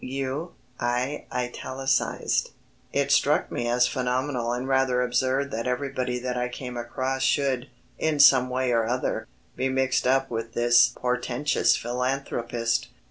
"You," I italicised. It struck me as phenomenal and rather absurd that everybody that I came across should, in some way or other, be mixed up with this portentous philanthropist.